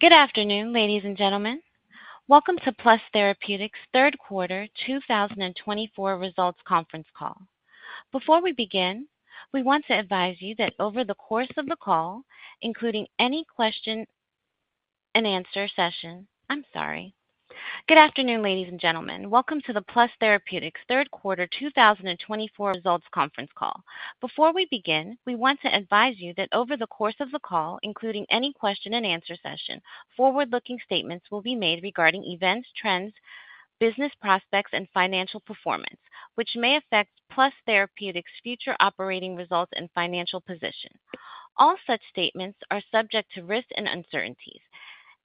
Good afternoon, ladies and gentlemen. Welcome to Plus Therapeutics' third quarter 2024 results conference call. Before we begin, we want to advise you that over the course of the call, including any question-and-answer session, forward-looking statements will be made regarding events, trends, business prospects, and financial performance, which may affect Plus Therapeutics' future operating results and financial position. All such statements are subject to risks and uncertainties,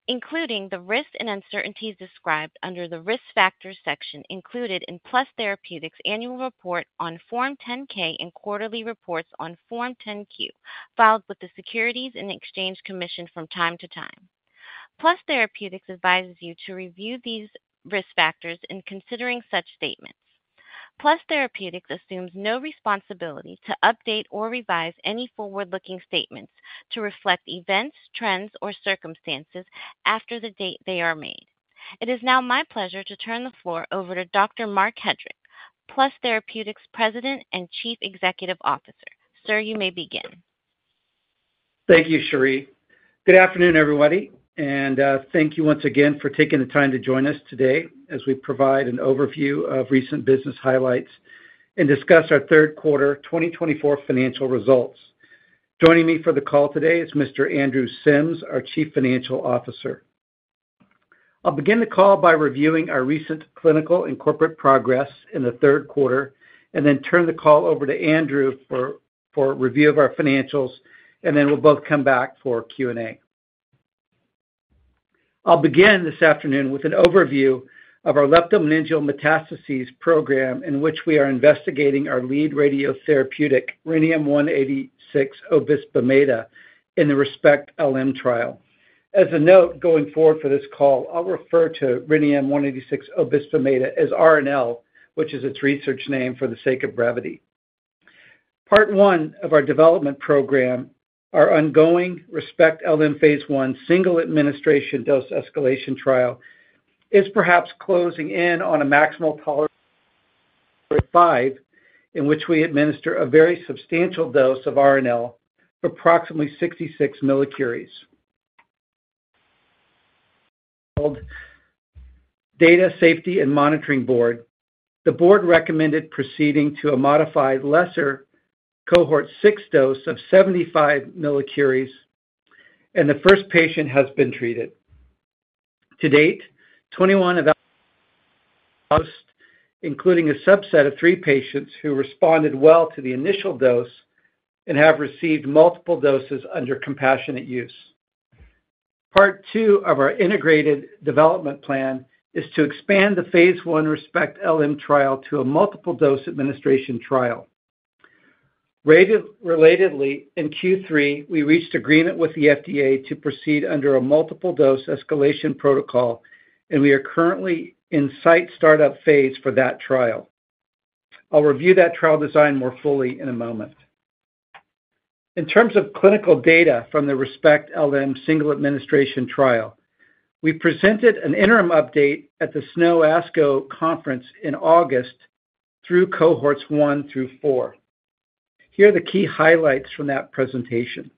including the risks and uncertainties described under the risk factors section included in Plus Therapeutics' annual report on Form 10-K and quarterly reports on Form 10-Q, filed with the Securities and Exchange Commission from time to time. Plus Therapeutics advises you to review these risk factors in considering such statements. Plus Therapeutics assumes no responsibility to update or revise any forward-looking statements to reflect events, trends, or circumstances after the date they are made. It is now my pleasure to turn the floor over to Dr. Marc Hedrick, Plus Therapeutics' President and Chief Executive Officer. Sir, you may begin. Thank you, Cherie. Good afternoon, everybody. And thank you once again for taking the time to join us today as we provide an overview of recent business highlights and discuss our third quarter 2024 financial results. Joining me for the call today is Mr. Andrew Sims, our Chief Financial Officer. I'll begin the call by reviewing our recent clinical and corporate progress in the third quarter, and then turn the call over to Andrew for review of our financials, and then we'll both come back for Q&A. I'll begin this afternoon with an overview of our leptomeningeal metastases program, in which we are investigating our lead radiotherapeutic Rhenium-186 Obisbemeda in the ReSPECT-LM trial. As a note, going forward for this call, I'll refer to Rhenium-186 Obisbemeda as RNL, which is its research name for the sake of brevity. Part one of our development program, our ongoing ReSPECT-LM phase I single administration dose escalation trial, is perhaps closing in on a maximal tolerance for five, in which we administer a very substantial dose of RNL for approximately 66 millicuries. The Data Safety and Monitoring Board recommended proceeding to a modified lesser cohort six dose of 75 millicuries, and the first patient has been treated. To date, 21 have been dosed, including a subset of three patients who responded well to the initial dose and have received multiple doses under compassionate use. Part two of our integrated development plan is to expand the phase I ReSPECT-LM trial to a multiple dose administration trial. Relatedly, in Q3, we reached agreement with the FDA to proceed under a multiple dose escalation protocol, and we are currently in site startup phase for that trial. I'll review that trial design more fully in a moment. In terms of clinical data from the ReSPECT-LM single administration trial, we presented an interim update at the SNO-ASCO Conference in August through cohorts one through four. Here are the key highlights from that presentation.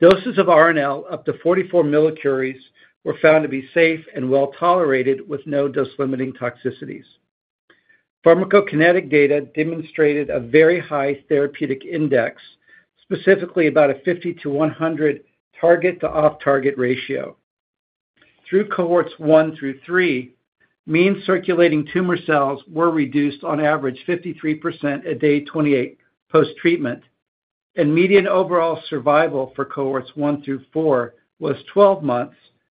Doses of RNL up to 44 millicuries were found to be safe and well tolerated with no dose-limiting toxicities. Pharmacokinetic data demonstrated a very high therapeutic index, specifically about a 50 to 100 target to off-target ratio. Through cohorts one through three, mean circulating tumor cells were reduced on average 53% at day 28 post-treatment, and median overall survival for cohorts one through four was 12 months,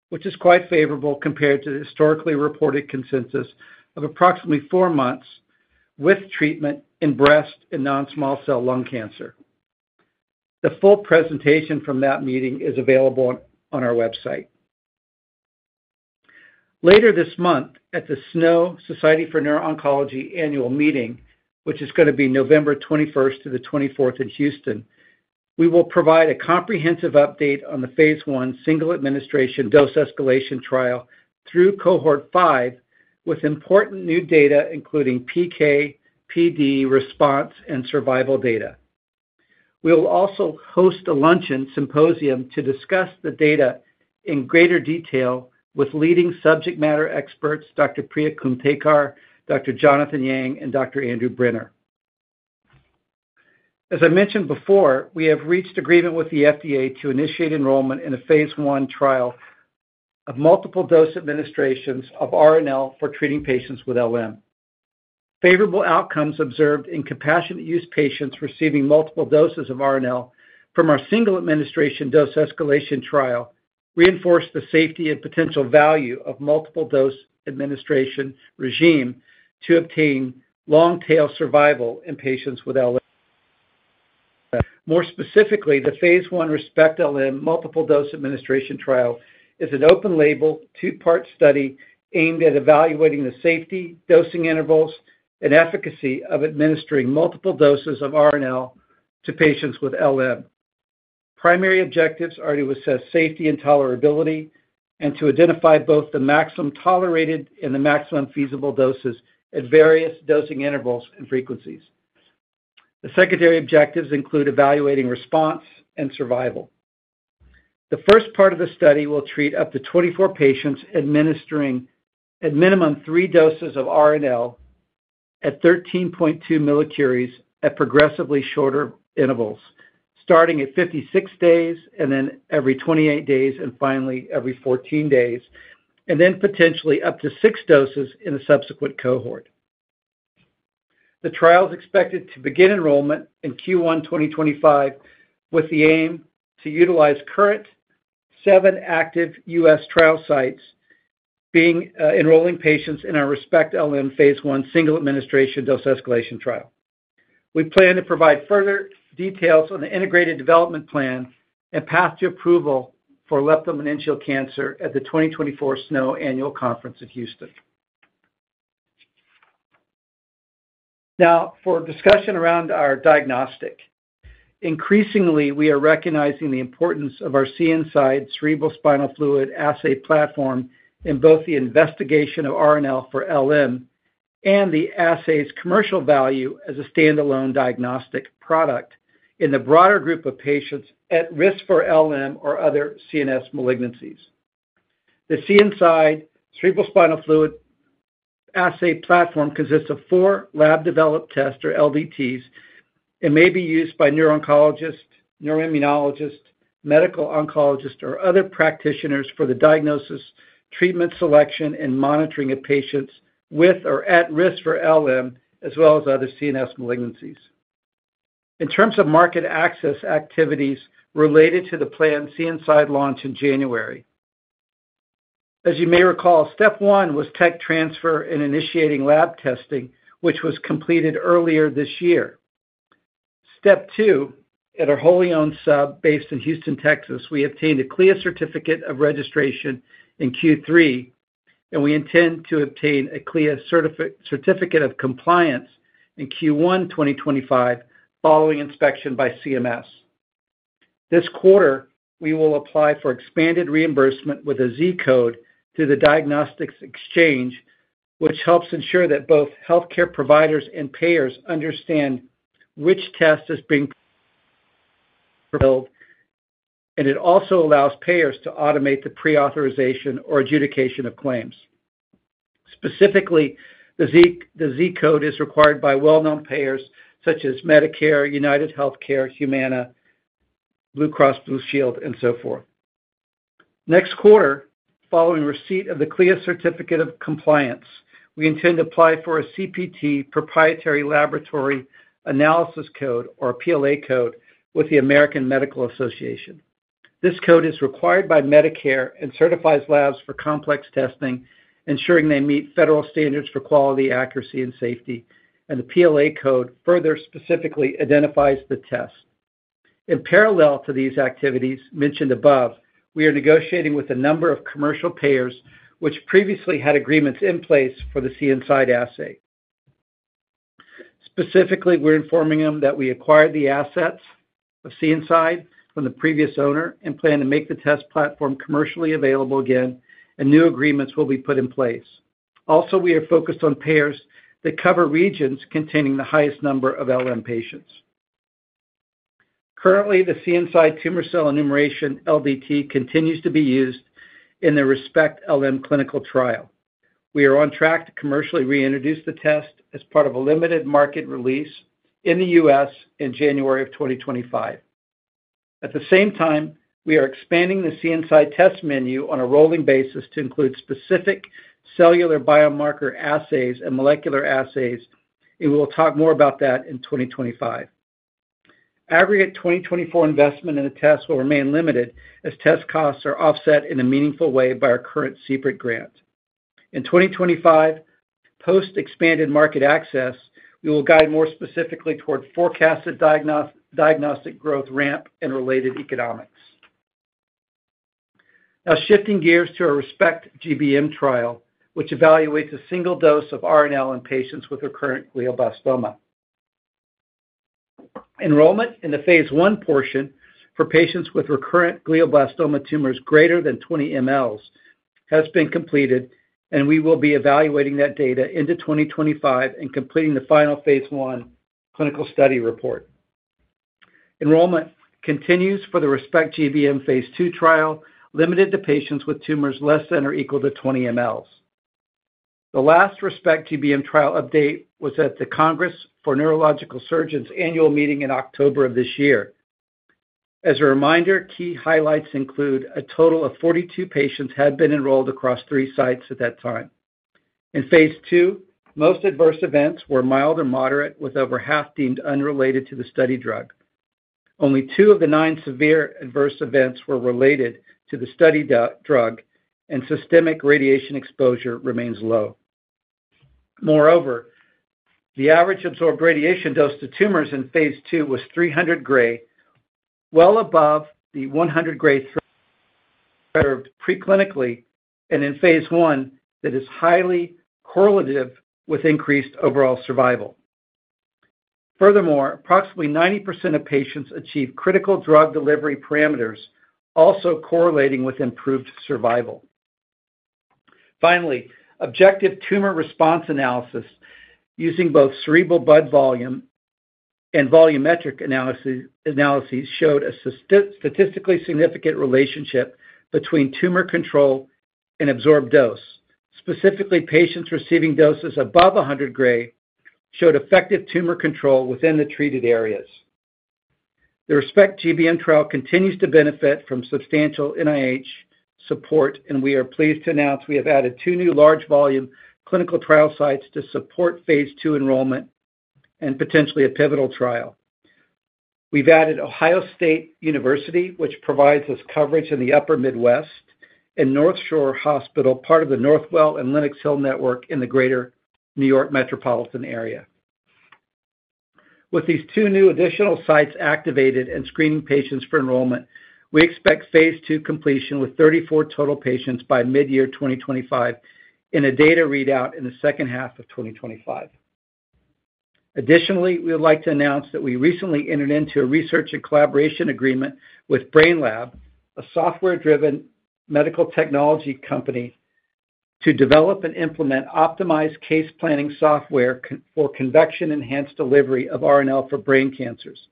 which is quite favorable compared to the historically reported consensus of approximately four months with treatment in breast and non-small cell lung cancer. The full presentation from that meeting is available on our website. Later this month, at the SNO Society for Neuro-Oncology annual meeting, which is going to be November 21st to the 24th in Houston, we will provide a comprehensive update on the phase I single administration dose escalation trial through cohort five with important new data, including PK, PD, response, and survival data. We will also host a luncheon symposium to discuss the data in greater detail with leading subject matter experts, Dr. Priya Kumthekar, Dr. Jonathan Yang, and Dr. Andrew Brenner. As I mentioned before, we have reached agreement with the FDA to initiate enrollment in a phase I trial of multiple dose administrations of RNL for treating patients with LM. Favorable outcomes observed in compassionate use patients receiving multiple doses of RNL from our single administration dose escalation trial reinforce the safety and potential value of multiple dose administration regime to obtain long-tail survival in patients with LM. More specifically, the phase I ReSPECT-LM multiple dose administration trial is an open-label, two-part study aimed at evaluating the safety, dosing intervals, and efficacy of administering multiple doses of RNL to patients with LM. Primary objectives are to assess safety and tolerability and to identify both the maximum tolerated and the maximum feasible doses at various dosing intervals and frequencies. The secondary objectives include evaluating response and survival. The first part of the study will treat up to 24 patients administering at minimum three doses of RNL at 13.2 millicuries at progressively shorter intervals, starting at 56 days and then every 28 days and finally every 14 days, and then potentially up to six doses in a subsequent cohort. The trial is expected to begin enrollment in Q1 2025 with the aim to utilize current seven active U.S. trial sites enrolling patients in our ReSPECT-LM phase I single administration dose escalation trial. We plan to provide further details on the integrated development plan and path to approval for leptomeningeal cancer at the 2024 SNO Annual Conference in Houston. Now, for discussion around our diagnostic, increasingly we are recognizing the importance of our CNSide cerebrospinal fluid assay platform in both the investigation of RNL for LM and the assay's commercial value as a standalone diagnostic product in the broader group of patients at risk for LM or other CNS malignancies. The CNSide cerebrospinal fluid assay platform consists of four lab-developed tests or LDTs and may be used by neuro-oncologists, neuroimmunologists, medical oncologists, or other practitioners for the diagnosis, treatment selection, and monitoring of patients with or at risk for LM, as well as other CNS malignancies. In terms of market access activities related to the planned CNSide launch in January, as you may recall, step one was tech transfer and initiating lab testing, which was completed earlier this year. Step two, at our wholly owned sub based in Houston, Texas, we obtained a CLIA certificate of registration in Q3, and we intend to obtain a CLIA certificate of compliance in Q1 2025 following inspection by CMS. This quarter, we will apply for expanded reimbursement with a Z code through the Diagnostics Exchange, which helps ensure that both healthcare providers and payers understand which test is being billed, and it also allows payers to automate the pre-authorization or adjudication of claims. Specifically, the Z code is required by well-known payers such as Medicare, UnitedHealthcare, Humana, Blue Cross Blue Shield, and so forth. Next quarter, following receipt of the CLIA certificate of compliance, we intend to apply for a CPT, proprietary laboratory analysis code or PLA code with the American Medical Association. This code is required by Medicare and certifies labs for complex testing, ensuring they meet federal standards for quality, accuracy, and safety, and the PLA code further specifically identifies the test. In parallel to these activities mentioned above, we are negotiating with a number of commercial payers which previously had agreements in place for the CNSide assay. Specifically, we're informing them that we acquired the assets of CNSide from the previous owner and plan to make the test platform commercially available again, and new agreements will be put in place. Also, we are focused on payers that cover regions containing the highest number of LM patients. Currently, the CNSide tumor cell enumeration LDT continues to be used in the ReSPECT-LM clinical trial. We are on track to commercially reintroduce the test as part of a limited market release in the U.S. in January of 2025. At the same time, we are expanding the CNSide test menu on a rolling basis to include specific cellular biomarker assays and molecular assays, and we will talk more about that in 2025. Aggregate 2024 investment in the test will remain limited as test costs are offset in a meaningful way by our current CPRIT grant. In 2025, post-expanded market access, we will guide more specifically toward forecasted diagnostic growth ramp and related economics. Now, shifting gears to our ReSPECT-GBM trial, which evaluates a single dose of RNL in patients with recurrent glioblastoma. Enrollment in the phase I portion for patients with recurrent glioblastoma tumors greater than 20 mL has been completed, and we will be evaluating that data into 2025 and completing the final phase I clinical study report. Enrollment continues for the ReSPECT-GBM phase II trial, limited to patients with tumors less than or equal to 20 mL. The last ReSPECT-GBM trial update was at the Congress of Neurological Surgeons annual meeting in October of this year. As a reminder, key highlights include a total of 42 patients had been enrolled across three sites at that time. In phase II, most adverse events were mild or moderate, with over half deemed unrelated to the study drug. Only two of the nine severe adverse events were related to the study drug, and systemic radiation exposure remains low. Moreover, the average absorbed radiation dose to tumors in phase II was 300 gray, well above the 100 grays preserved preclinically and in phase I, that is highly correlative with increased overall survival. Furthermore, approximately 90% of patients achieve critical drug delivery parameters, also correlating with improved survival. Finally, objective tumor response analysis using both cerebral blood volume and volumetric analyses showed a statistically significant relationship between tumor control and absorbed dose. Specifically, patients receiving doses above 100 gray showed effective tumor control within the treated areas. The ReSPECT-GBM trial continues to benefit from substantial NIH support, and we are pleased to announce we have added two new large-volume clinical trial sites to support phase II enrollment and potentially a pivotal trial. We've added Ohio State University, which provides us coverage in the Upper Midwest, and North Shore University Hospital, part of the Northwell Health and Lenox Hill Hospital network in the greater New York metropolitan area. With these two new additional sites activated and screening patients for enrollment, we expect phase II completion with 34 total patients by mid-year 2025 in a data readout in the second half of 2025. Additionally, we would like to announce that we recently entered into a research and collaboration agreement with Brainlab, a software-driven medical technology company, to develop and implement optimized case planning software for convection-enhanced delivery of RNL for brain cancers.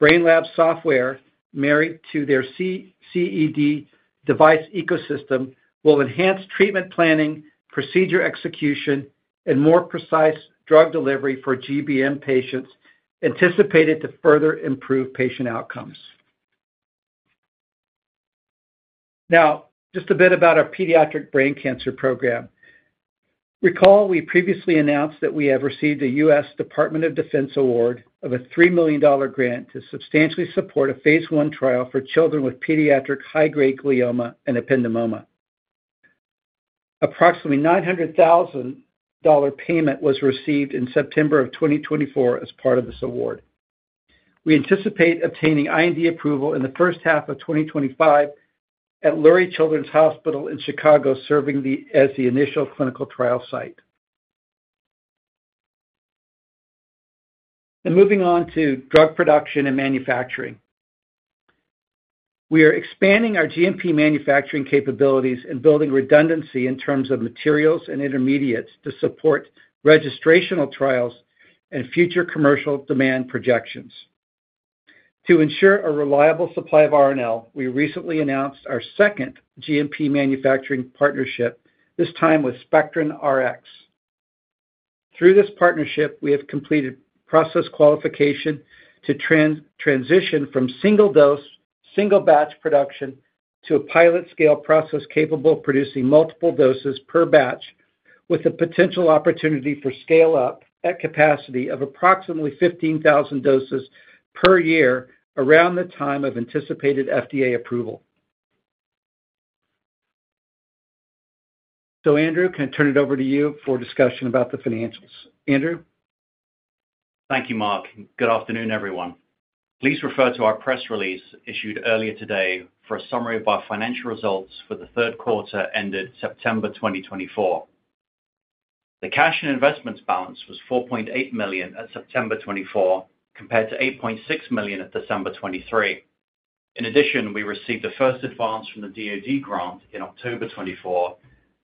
Brainlab software, married to their CED device ecosystem, will enhance treatment planning, procedure execution, and more precise drug delivery for GBM patients, anticipated to further improve patient outcomes. Now, just a bit about our pediatric brain cancer program. Recall, we previously announced that we have received a U.S. Department of Defense award of a $3 million grant to substantially support a phase I trial for children with pediatric high-grade glioma and ependymoma. Approximately $900,000 payment was received in September of 2024 as part of this award. We anticipate obtaining IND approval in the first half of 2025 at Lurie Children's Hospital in Chicago, serving as the initial clinical trial site. Moving on to drug production and manufacturing. We are expanding our GMP manufacturing capabilities and building redundancy in terms of materials and intermediates to support registrational trials and future commercial demand projections. To ensure a reliable supply of RNL, we recently announced our second GMP manufacturing partnership, this time with SpectronRx. Through this partnership, we have completed process qualification to transition from single dose, single batch production to a pilot scale process capable of producing multiple doses per batch, with the potential opportunity for scale-up at capacity of approximately 15,000 doses per year around the time of anticipated FDA approval. So, Andrew, can I turn it over to you for discussion about the financials? Andrew? Thank you, Marc. Good afternoon, everyone. Please refer to our press release issued earlier today for a summary of our financial results for the third quarter ended September 2024. The cash and investments balance was $4.8 million at September 2024, compared to $8.6 million at December 2023. In addition, we received a first advance from the DOD grant in October 2024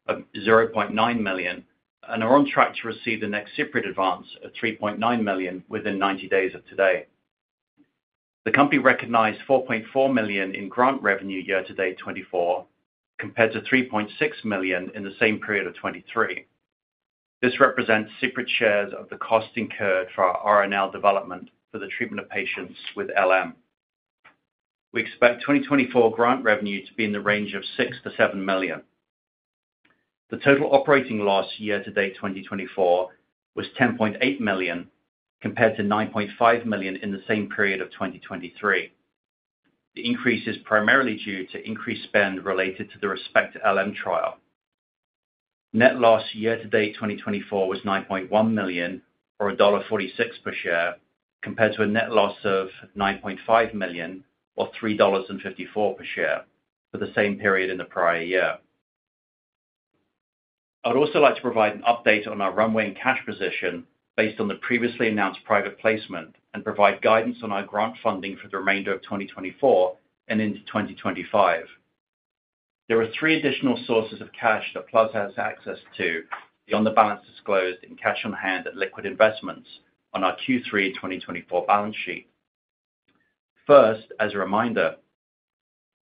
of $0.9 million and are on track to receive the next CPRIT advance of $3.9 million within 90 days of today. The company recognized $4.4 million in grant revenue year-to-date 2024, compared to $3.6 million in the same period of 2023. This represents CPRIT shares of the cost incurred for our RNL development for the treatment of patients with LM. We expect 2024 grant revenue to be in the range of $6 million to $7 million. The total operating loss year-to-date 2024 was $10.8 million, compared to $9.5 million in the same period of 2023. The increase is primarily due to increased spend related to the ReSPECT-LM trial. Net loss year-to-date 2024 was $9.1 million or $1.46 per share, compared to a net loss of $9.5 million or $3.54 per share for the same period in the prior year. I'd also like to provide an update on our runway and cash position based on the previously announced private placement and provide guidance on our grant funding for the remainder of 2024 and into 2025. There are three additional sources of cash that Plus has access to beyond the balance disclosed in cash on hand at liquid investments on our Q3 2024 balance sheet. First, as a reminder,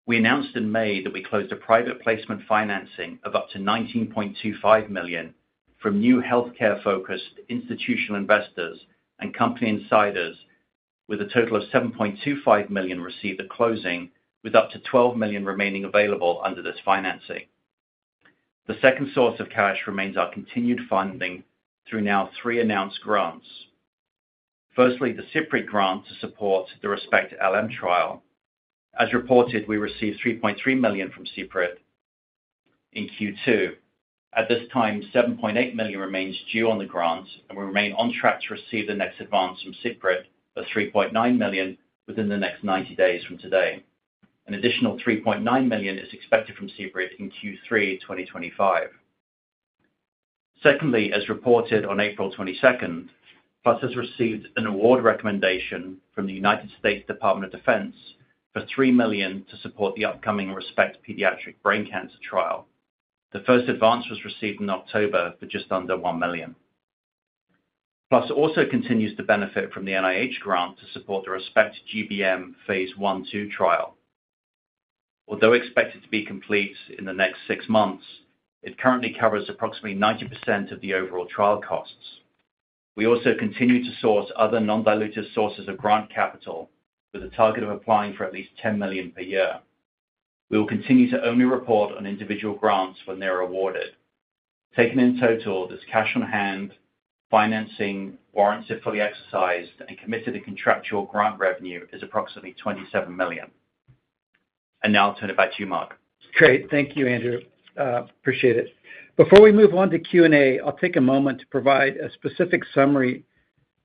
we announced in May that we closed a private placement financing of up to $19.25 million from new healthcare-focused institutional investors and company insiders, with a total of $7.25 million received at closing, with up to $12 million remaining available under this financing. The second source of cash remains our continued funding through now three announced grants. Firstly, the CPRIT grant to support the ReSPECT-LM trial. As reported, we received $3.3 million from CPRIT in Q2. At this time, $7.8 million remains due on the grant, and we remain on track to receive the next advance from CPRIT of $3.9 million within the next 90 days from today. An additional $3.9 million is expected from CPRIT in Q3 2025. Secondly, as reported on April 22nd, Plus has received an award recommendation from the United States Department of Defense for $3 million to support the upcoming ReSPECT pediatric brain cancer trial. The first advance was received in October for just under $1 million. Plus also continues to benefit from the NIH grant to support the ReSPECT-GBM phase one two trial. Although expected to be complete in the next six months, it currently covers approximately 90% of the overall trial costs. We also continue to source other non-dilutive sources of grant capital with a target of applying for at least $10 million per year. We will continue to only report on individual grants when they are awarded. Taken in total, this cash on hand, financing, warrants if fully exercised, and committed to contractual grant revenue is approximately $27 million, and now I'll turn it back to you, Marc. Great. Thank you, Andrew. Appreciate it. Before we move on to Q&A, I'll take a moment to provide a specific summary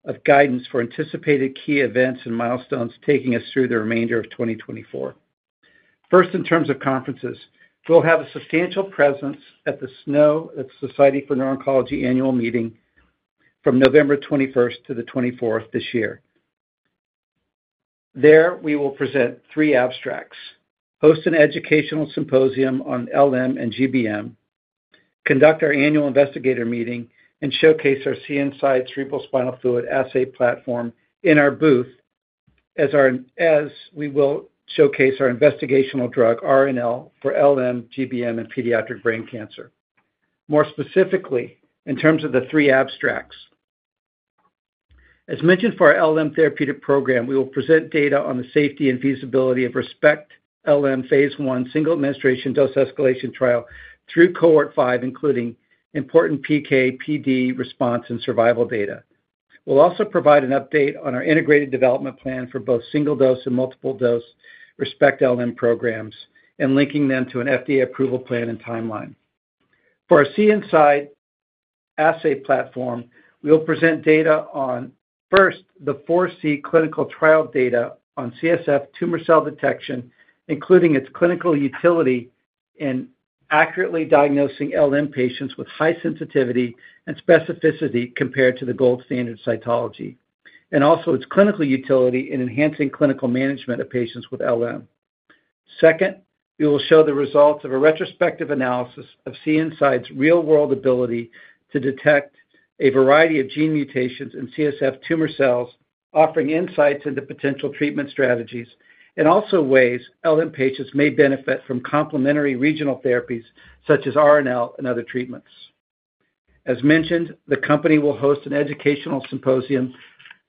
of guidance for anticipated key events and milestones taking us through the remainder of 2024. First, in terms of conferences, we'll have a substantial presence at the SNO, the Society for Neuro-Oncology annual meeting from November 21st to the 24th this year. There, we will present three abstracts, host an educational symposium on LM and GBM, conduct our annual investigator meeting, and showcase our CNSide cerebrospinal fluid assay platform in our booth as we will showcase our investigational drug RNL for LM, GBM, and pediatric brain cancer. More specifically, in terms of the three abstracts, as mentioned for our LM therapeutic program, we will present data on the safety and feasibility of ReSPECT-LM phase I single administration dose escalation trial through Cohort Five, including important PK, PD, response, and survival data. We'll also provide an update on our integrated development plan for both single dose and multiple dose ReSPECT-LM programs and linking them to an FDA approval plan and timeline. For our CNSide assay platform, we'll present data on, first, the FORESEE clinical trial data on CSF tumor cell detection, including its clinical utility in accurately diagnosing LM patients with high sensitivity and specificity compared to the gold standard cytology, and also its clinical utility in enhancing clinical management of patients with LM. Second, we will show the results of a retrospective analysis of CNSide's real-world ability to detect a variety of gene mutations in CSF tumor cells, offering insights into potential treatment strategies and also ways LM patients may benefit from complementary regional therapies such as RNL and other treatments. As mentioned, the company will host an educational symposium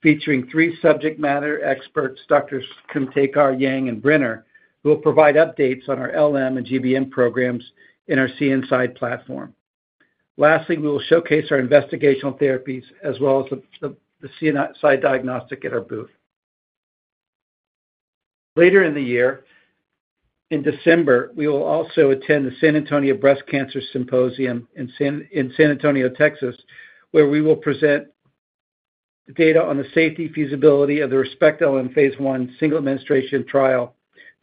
featuring three subject matter experts, Doctors Kumthekar, Yang, and Brenner, who will provide updates on our LM and GBM programs in our CNSide platform. Lastly, we will showcase our investigational therapies as well as the CNSide diagnostic at our booth. Later in the year, in December, we will also attend the San Antonio Breast Cancer Symposium in San Antonio, Texas, where we will present data on the safety feasibility of the ReSPECT-LM phase I single administration trial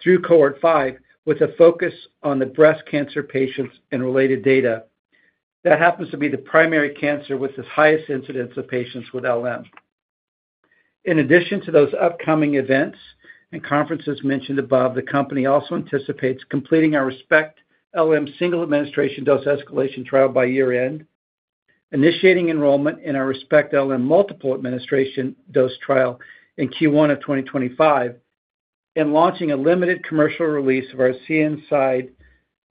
through cohort five, with a focus on the breast cancer patients and related data. That happens to be the primary cancer with the highest incidence of patients with LM. In addition to those upcoming events and conferences mentioned above, the company also anticipates completing our ReSPECT-LM single administration dose escalation trial by year-end, initiating enrollment in our ReSPECT-LM multiple administration dose trial in Q1 of 2025, and launching a limited commercial release of our CNSide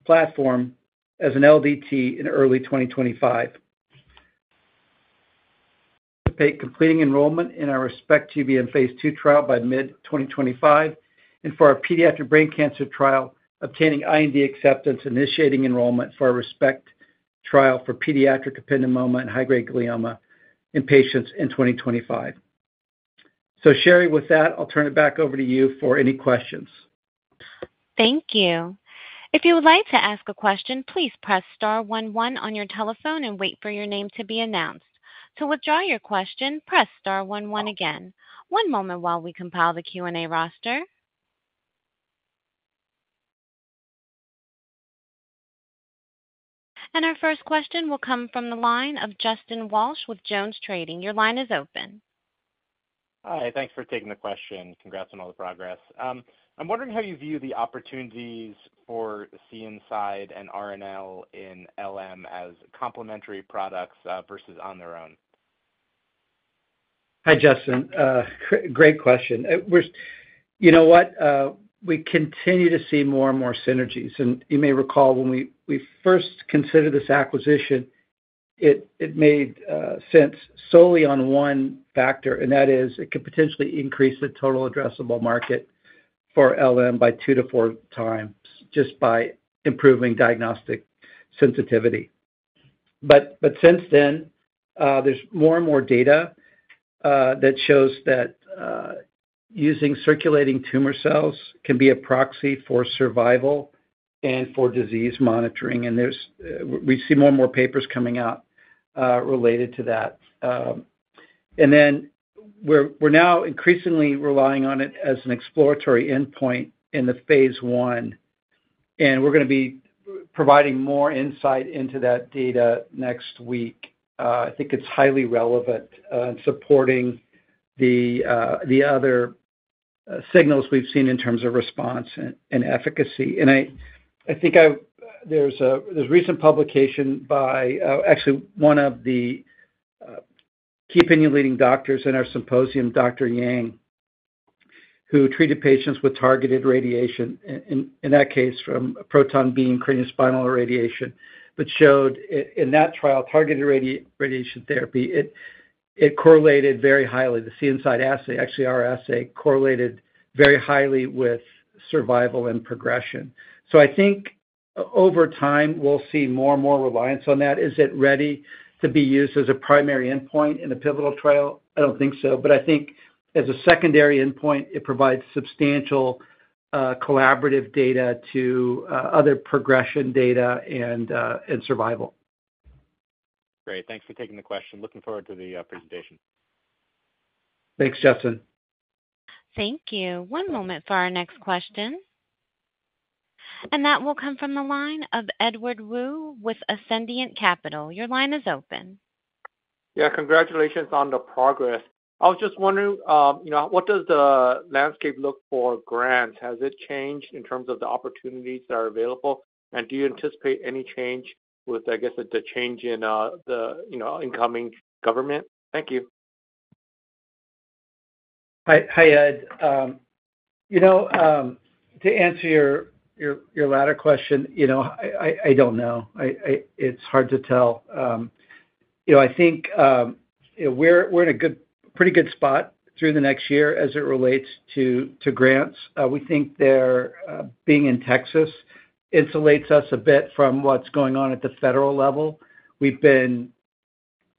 platform as an LDT in early 2025. We anticipate completing enrollment in our ReSPECT-GBM phase II trial by mid-2025, and for our pediatric brain cancer trial, obtaining IND acceptance, initiating enrollment for our ReSPECT trial for pediatric ependymoma and high-grade glioma in patients in 2025. So, Cherie, with that, I'll turn it back over to you for any questions. Thank you. If you would like to ask a question, please press Star 11 on your telephone and wait for your name to be announced. To withdraw your question, press Star 11 again. One moment while we compile the Q&A roster. And our first question will come from the line of Justin Walsh with JonesTrading. Your line is open. Hi. Thanks for taking the question. Congrats on all the progress. I'm wondering how you view the opportunities for CNSide and RNL in LM as complementary products versus on their own. Hi, Justin. Great question. You know what? We continue to see more and more synergies, and you may recall when we first considered this acquisition, it made sense solely on one factor, and that is it could potentially increase the total addressable market for LM by two to four times just by improving diagnostic sensitivity, but since then, there's more and more data that shows that using circulating tumor cells can be a proxy for survival and for disease monitoring. And we see more and more papers coming out related to that, and then we're now increasingly relying on it as an exploratory endpoint in the phase I. And we're going to be providing more insight into that data next week. I think it's highly relevant in supporting the other signals we've seen in terms of response and efficacy. And I think there's a recent publication by actually one of the key opinion leading doctors in our symposium, Dr. Yang, who treated patients with targeted radiation, in that case from proton beam craniospinal irradiation, but showed in that trial, targeted radiation therapy, it correlated very highly. The CNSide assay, actually our assay, correlated very highly with survival and progression. So I think over time, we'll see more and more reliance on that. Is it ready to be used as a primary endpoint in a pivotal trial? I don't think so. But I think as a secondary endpoint, it provides substantial collaborative data to other progression data and survival. Great. Thanks for taking the question. Looking forward to the presentation. Thanks, Justin. Thank you. One moment for our next question. And that will come from the line of Edward Woo with Ascendiant Capital. Your line is open. Yeah. Congratulations on the progress. I was just wondering, what does the landscape look like for grants? Has it changed in terms of the opportunities that are available? And do you anticipate any change with, I guess, the change in the incoming government? Thank you. Hi, Ed. To answer your latter question, I don't know. It's hard to tell. I think we're in a pretty good spot through the next year as it relates to grants. We think our being in Texas insulates us a bit from what's going on at the federal level. We've been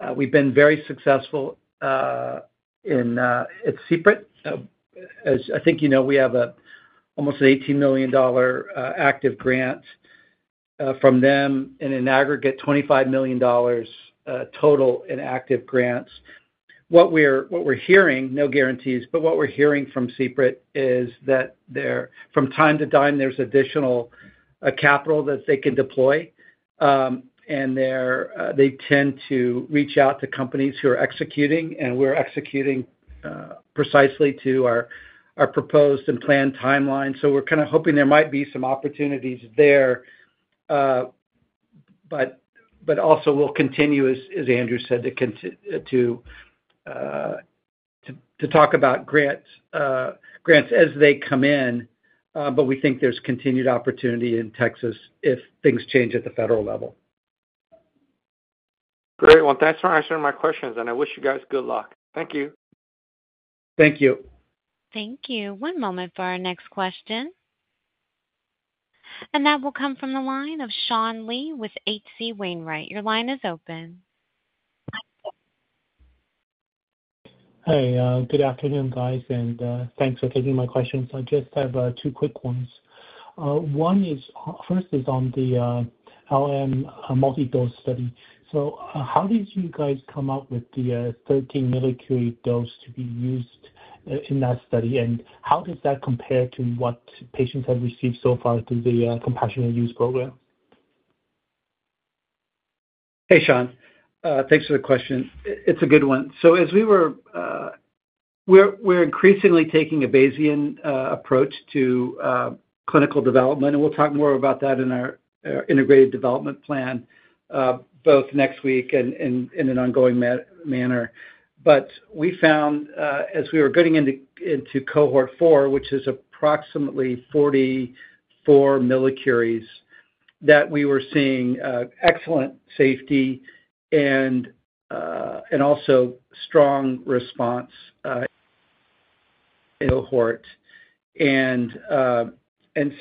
very successful in CPRIT. I think we have almost an $18 million active grant from them and an aggregate $25 million total in active grants. What we're hearing, no guarantees, but what we're hearing from CPRIT is that from time to time, there's additional capital that they can deploy. And they tend to reach out to companies who are executing, and we're executing precisely to our proposed and planned timeline. So we're kind of hoping there might be some opportunities there. But also, we'll continue, as Andrew said, to talk about grants as they come in. But we think there's continued opportunity in Texas if things change at the federal level. Great. Well, thanks for answering my questions. And I wish you guys good luck. Thank you. Thank you. Thank you. One moment for our next question. And that will come from the line of Sean Lee with H.C. Wainwright. Your line is open. Hi. Good afternoon, guys. And thanks for taking my questions. I just have two quick ones. First is on the LM multi-dose study. So how did you guys come up with the 13 millicurie dose to be used in that study? And how does that compare to what patients have received so far through the compassionate use program? Hey, Sean. Thanks for the question. It's a good one. So, we're increasingly taking a Bayesian approach to clinical development. And we'll talk more about that in our integrated development plan both next week and in an ongoing manner. But we found, as we were getting into Cohort Four, which is approximately 44 millicuries, that we were seeing excellent safety and also strong response in the cohort. And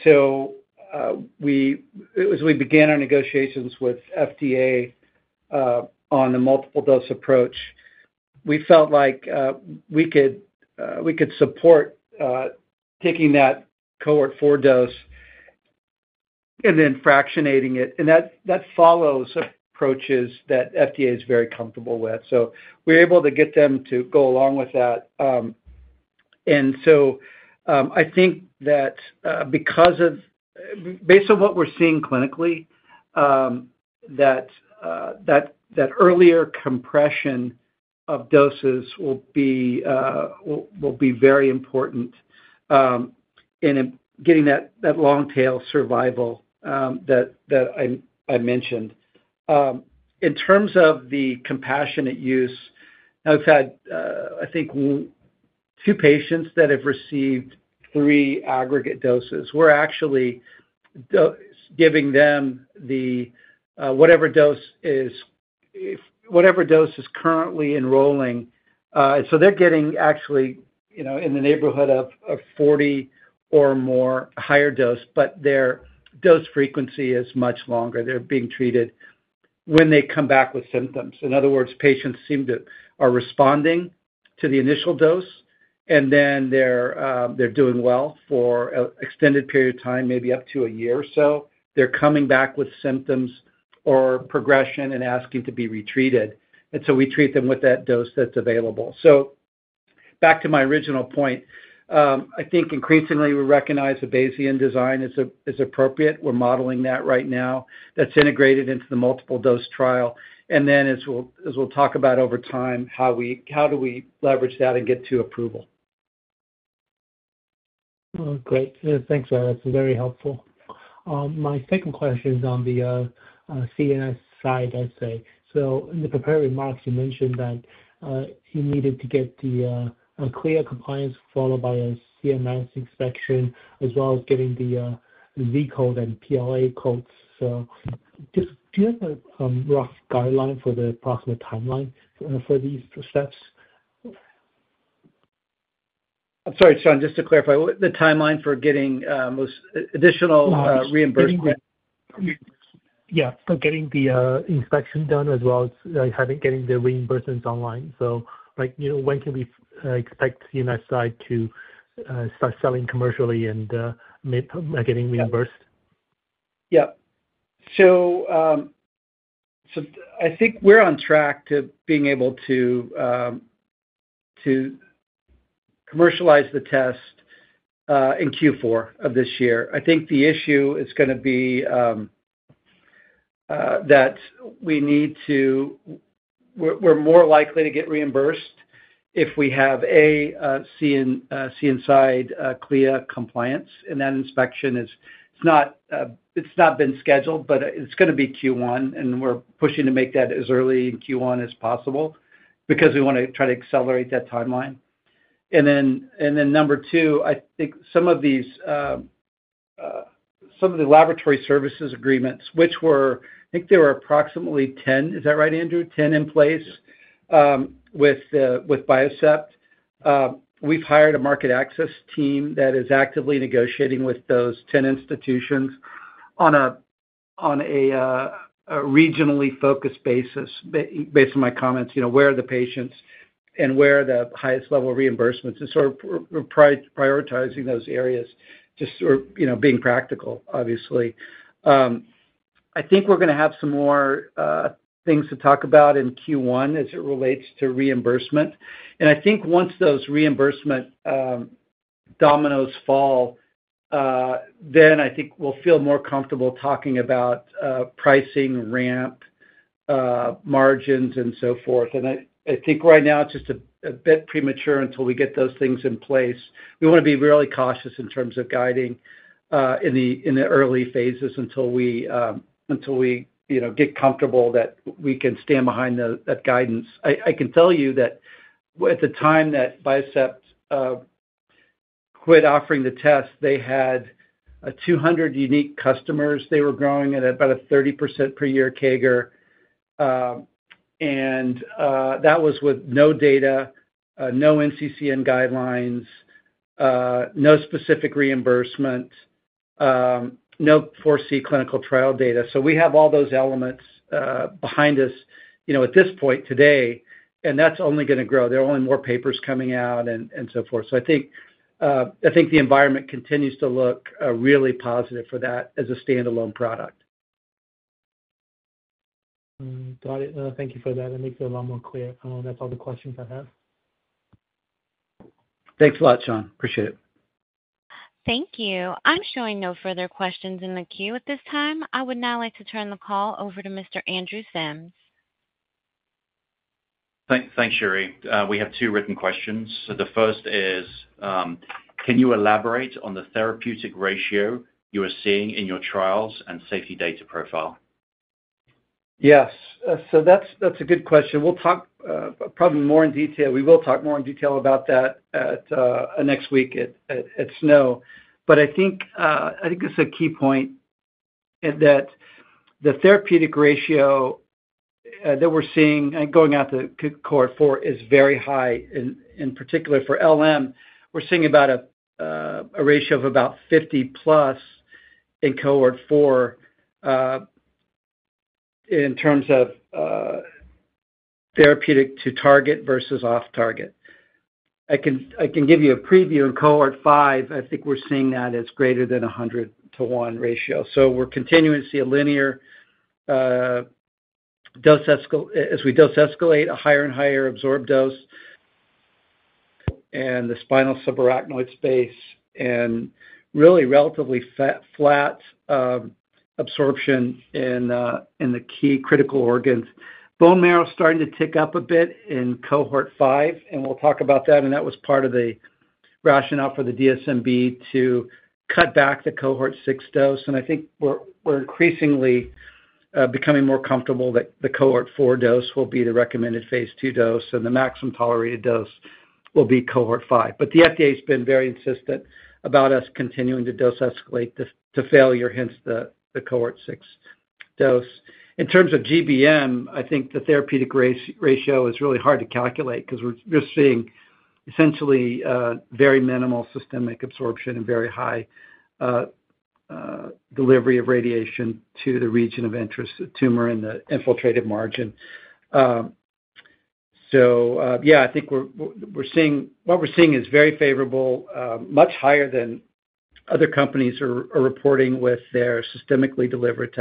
so, as we began our negotiations with FDA on the multiple dose approach, we felt like we could support taking that Cohort Four dose and then fractionating it. And that follows approaches that FDA is very comfortable with. So, we're able to get them to go along with that. And so, I think that based on what we're seeing clinically, that earlier compression of doses will be very important in getting that long-tail survival that I mentioned. In terms of the compassionate use, I've had, I think, two patients that have received three aggregate doses. We're actually giving them whatever dose is currently enrolling. So they're getting actually in the neighborhood of 40 or more higher dose, but their dose frequency is much longer. They're being treated when they come back with symptoms. In other words, patients are responding to the initial dose, and then they're doing well for an extended period of time, maybe up to a year or so. They're coming back with symptoms or progression and asking to be retreated. And so we treat them with that dose that's available. So back to my original point, I think increasingly we recognize the Bayesian design is appropriate. We're modeling that right now. That's integrated into the multiple dose trial. And then as we'll talk about over time, how do we leverage that and get to approval. Great. Thanks. That's very helpful. My second question is on the CNSide, I'd say. So in the preparatory remarks, you mentioned that you needed to get the CLIA compliance followed by a CNSide inspection as well as getting the Z code and PLA codes. So, do you have a rough guideline for the approximate timeline for these steps? I'm sorry, Sean, just to clarify, the timeline for getting additional reimbursement? Yeah. So getting the inspection done as well as getting the reimbursements online. So when can we expect CNSide to start selling commercially and getting reimbursed? Yeah. So, I think we're on track to being able to commercialize the test in Q4 of this year. I think the issue is going to be that we're more likely to get reimbursed if we have a CNSide CLIA compliance. That inspection has not been scheduled, but it's going to be Q1. We're pushing to make that as early in Q1 as possible because we want to try to accelerate that timeline. Then number two, I think some of the laboratory services agreements, which were, I think, approximately 10. Is that right, Andrew? 10 in place with Biocept. We've hired a market access team that is actively negotiating with those 10 institutions on a regionally focused basis based on my comments, where are the patients and where are the highest-level reimbursements. And sort of prioritizing those areas just being practical, obviously. I think we're going to have some more things to talk about in Q1 as it relates to reimbursement. And I think once those reimbursement dominoes fall, then I think we'll feel more comfortable talking about pricing, ramp, margins, and so forth. And I think right now it's just a bit premature until we get those things in place. We want to be really cautious in terms of guiding in the early phases until we get comfortable that we can stand behind that guidance. I can tell you that at the time that Biocept quit offering the test, they had 200 unique customers. They were growing at about a 30% per year CAGR. And that was with no data, no NCCN guidelines, no specific reimbursement, no FORESEE clinical trial data. So, we have all those elements behind us at this point today. And that's only going to grow. There are only more papers coming out and so forth. So I think the environment continues to look really positive for that as a standalone product. Got it. Thank you for that. That makes it a lot more clear. That's all the questions I have. Thanks a lot, Sean. Appreciate it. Thank you. I'm showing no further questions in the queue at this time. I would now like to turn the call over to Mr. Andrew Sims. Thanks, Cherie We have two written questions. So, the first is, can you elaborate on the therapeutic ratio you are seeing in your trials and safety data profile? Yes. So that's a good question. We'll talk probably more in detail. We will talk more in detail about that next week at SNO. But I think it's a key point that the therapeutic ratio that we're seeing going out to Cohort Four is very high. In particular, for LM, we're seeing about a ratio of about 50+ in Cohort Four in terms of therapeutic to target versus off-target. I can give you a preview. In Cohort Five, I think we're seeing that as greater than 100 to 1 ratio. So, we're continuing to see a linear dose as we dose escalate a higher and higher absorbed dose and the spinal subarachnoid space and really relatively flat absorption in the key critical organs. Bone marrow is starting to tick up a bit in Cohort Five. And we'll talk about that. And that was part of the rationale for the DSMB to cut back the Cohort Six dose. I think we're increasingly becoming more comfortable that the Cohort Four dose will be the recommended phase two dose. The maximum tolerated dose will be Cohort Five. The FDA has been very insistent about us continuing to dose escalate to failure, hence the Cohort Six dose. In terms of GBM, I think the therapeutic ratio is really hard to calculate because we're seeing essentially very minimal systemic absorption and very high delivery of radiation to the region of interest, the tumor and the infiltrative margin. Yeah, I think what we're seeing is very favorable, much higher than other companies are reporting with their systemically delivered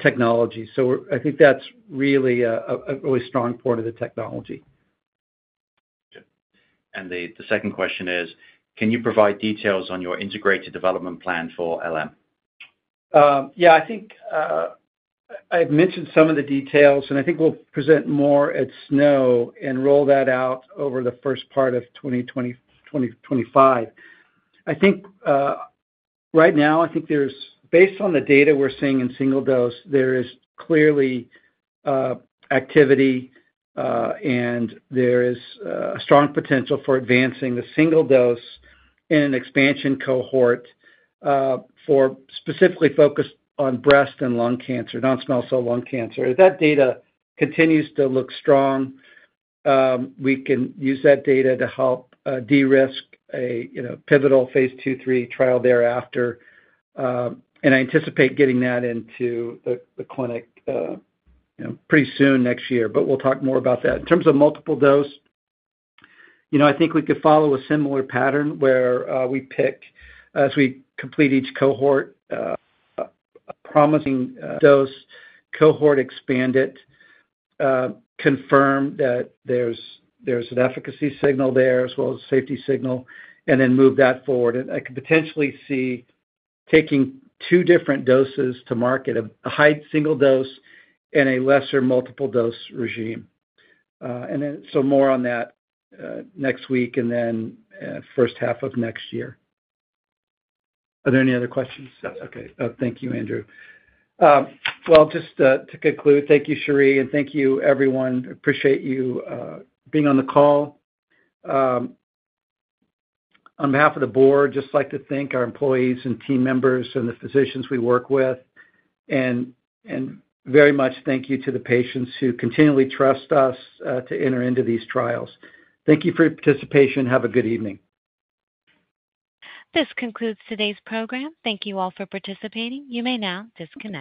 technology. I think that's really a really strong part of the technology. The second question is, can you provide details on your integrated development plan for LM? Yeah. I think I've mentioned some of the details. And I think we'll present more at SNO and roll that out over the first part of 2025. I think right now, I think based on the data we're seeing in single dose, there is clearly activity and there is a strong potential for advancing the single dose in an expansion cohort for specifically focused on breast and lung cancer, non-small cell lung cancer. If that data continues to look strong, we can use that data to help de-risk a pivotal phase two, three trial thereafter. And I anticipate getting that into the clinic pretty soon next year. But we'll talk more about that. In terms of multiple dose, I think we could follow a similar pattern where we pick, as we complete each cohort, a promising dose, cohort, expand it, confirm that there's an efficacy signal there as well as a safety signal, and then move that forward. And I could potentially see taking two different doses to market, a high single dose and a lesser multiple dose regimen. And so more on that next week and then first half of next year. Are there any other questions? That's okay. Thank you, Andrew. Well, just to conclude, thank you, Cherie. And thank you, everyone. Appreciate you being on the call. On behalf of the board, I'd just like to thank our employees and team members and the physicians we work with. And very much thank you to the patients who continually trust us to enter into these trials. Thank you for your participation. Have a good evening. This concludes today's program. Thank you all for participating. You may now disconnect.